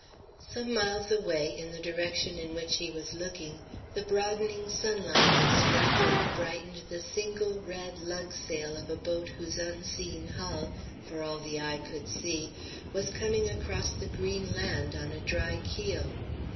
Some miles away in the direction in which he was looking, the broadening sunlight had struck and brightened the single red lug sail of a boat whose unseen hull, for all the eye could see, was coming across the green land on a dry keel.